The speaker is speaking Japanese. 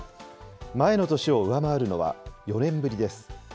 前の年を上回るのは４年ぶりです。